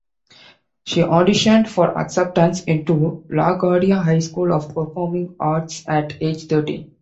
She auditioned for acceptance into LaGuardia High School of Performing Arts at age thirteen.